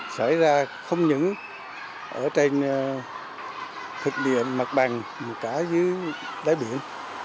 xảy ra không những ở trên thực địa mặt bằng mà cả dưới đáy biển